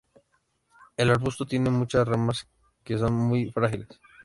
El arbusto tiene muchas ramas, que son muy frágiles.